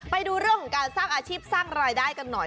ไปดูเรื่องของการสร้างอาชีพสร้างรายได้กันหน่อย